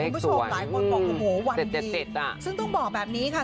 คุณผู้ชมหลายคนบอกโอ้โหวันดีซึ่งต้องบอกแบบนี้ค่ะ